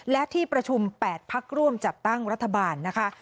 และที่ประชุม๘พักร่วมจัดตั้งรัฐบาลนะคะ